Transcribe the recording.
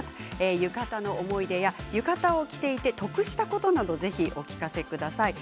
浴衣の思い出や浴衣を着ていて得したことなどをぜひお聞かせください。